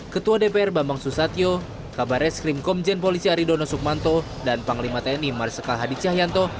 ketua dpr bambang susatyo kabar reskrim komjen polisi aridono sukmanto dan panglima tni marsikal hadi cahyanto